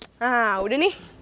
nah udah nih